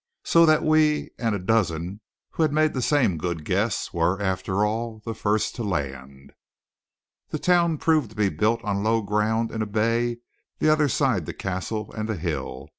So that we and a dozen who had made the same good guess, were, after all, the first to land. The town proved to be built on low ground in a bay the other side the castle and the hill.